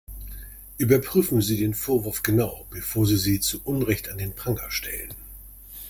Überprüfen Sie den Vorwurf genau, bevor Sie sie zu Unrecht an den Pranger stellen.